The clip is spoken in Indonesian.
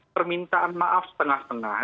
permintaan maaf setengah setengah